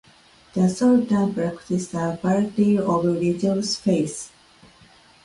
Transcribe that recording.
The Sogdians practiced a variety of religious faiths.